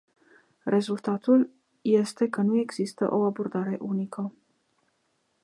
Rezultatul este că nu există o abordare unică.